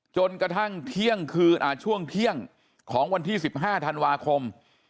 จนกระทั่งเที่ยงคืนช่วงเที่ยงของวันที่๑๕ธันวาคม